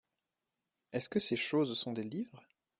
Est-ce que ces choses sont des livres ?